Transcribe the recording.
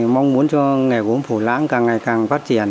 mong muốn cho nghề gốn phủ lãng càng ngày càng phát triển